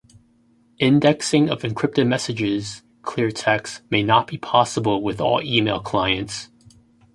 Indexing of encrypted messages' clear text may not be possible with all email clients.